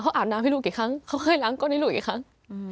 อาบน้ำให้ลูกกี่ครั้งเขาเคยล้างก้นให้ลูกกี่ครั้ง